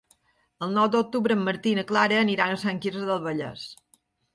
El nou d'octubre en Martí i na Clara aniran a Sant Quirze del Vallès.